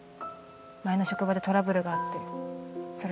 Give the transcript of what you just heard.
前の職場でトラブルがあってそれで。